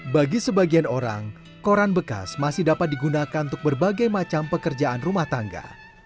bagi sebagian orang koran bekas masih dapat digunakan untuk berbagai macam pekerjaan rumah tangga